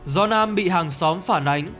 do nam bị hàng xóm phản ánh